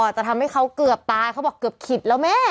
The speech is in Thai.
จะทำให้เขาเกือบตายเขาบอกเกือบขิดแล้วแม่